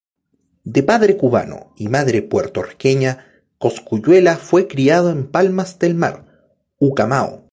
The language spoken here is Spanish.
De padre cubano y madre puertorriqueña, Cosculluela fue criado en Palmas del Mar, Humacao.